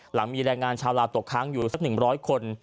หลังมีแรงงานชาวลาวตกค้างอยู่สัก๑๐๐คน